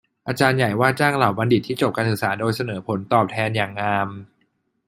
อาจารย์ใหญ่ว่าจ้างเหล่าบัณฑิตที่จบการศึกษาโดยเสนอผลตอบแทนอย่างงาม